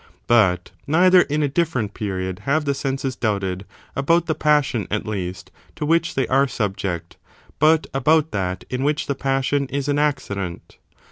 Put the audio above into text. But neither in a different period have the senses doubted about the passion, at least, to which they are subject, but ^bout that in which the passion is an accident.